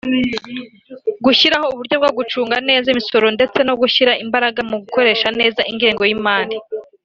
gushyiraho uburyo bwo gucunga neza imisoro ndetse no gushyira imbaraga mu gukoresha neza ingengo y’imari